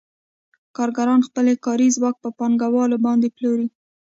کارګر خپل کاري ځواک په پانګوال باندې پلوري